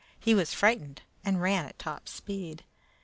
He was frightened, and ran at top speed.